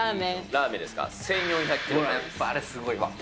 ラーメンですか、１４００キやった、あれすごいわ。